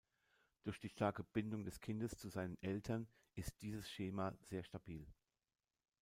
Durch die starke Bindung des Kindes zu seinen Eltern ist dieses Schema sehr stabil.